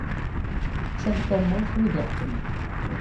Ččan tamurt wid iɣ-iḥekmen.